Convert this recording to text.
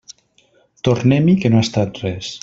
Tornem-hi que no ha estat res.